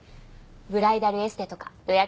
ブライダルエステとか予約した？